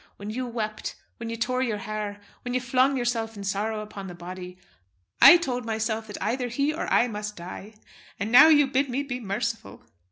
When you wept, when you tore your hair, when you flung yourself in sorrow upon the body, I told myself that either he or I must die. And now you bid me be merciful."